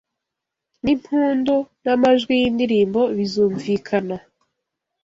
n’impundu n’amajwi y’indirimbo bizumvikana